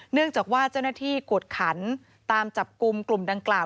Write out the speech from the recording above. เนื่องจากว่าเจ้าหน้าที่กวดขันตามจับกลุ่มกลุ่มดังกล่าว